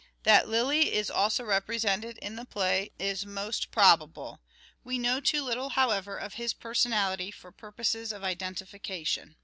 That Lyly is also represented in the play is most probable ; we know too little, however, of his personality for purposes of identification.